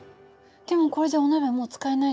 でもこれじゃお鍋がもう使えないじゃない。